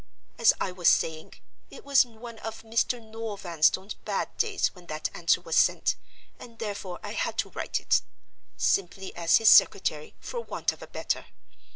As I was saying, it was one of Mr. Noel Vanstone's bad days when that answer was sent, and therefore I had to write it; simply as his secretary, for want of a better.